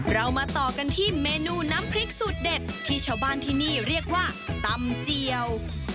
เรามาต่อกันที่เมนูน้ำพริกสูตรเด็ดที่ชาวบ้านที่นี่เรียกว่าตำเจียว